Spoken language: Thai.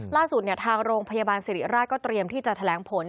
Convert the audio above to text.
ล่าสุดทางโรงพยาบาลสิริราชก็เตรียมที่จะแถลงผล